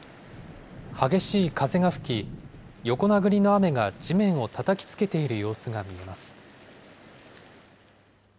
激しい風が吹き、横殴りの雨が地面をたたきつけている様子が見えます。